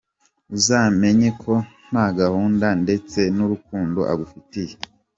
Uzamenye ko nta gahunda ndetse n’urukundo agufitiye.